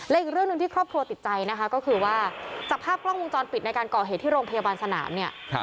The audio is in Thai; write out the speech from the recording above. และอีกเรื่องหนึ่งที่ครอบครัวติดใจนะคะก็คือว่าจากภาพกล้องวงจรปิดในการก่อเหตุที่โรงพยาบาลสนามเนี่ย